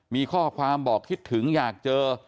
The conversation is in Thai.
มีข้อความบอกคิดถึงอยากเจอ